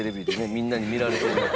みんなに見られてる中。